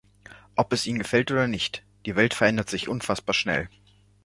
Ob es Ihnen gefällt oder nicht, die Welt verändert sich unfassbar schnell.